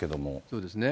そうですね。